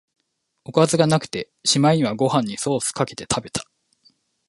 おかずがなくて、しまいにはご飯にソースかけて食べた